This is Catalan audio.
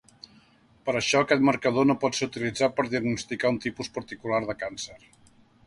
Per això, aquest marcador no pot ser utilitzar per diagnosticar un tipus particular de càncer.